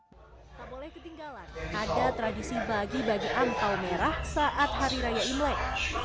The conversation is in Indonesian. tak boleh ketinggalan ada tradisi bagi bagi angpao merah saat hari raya imlek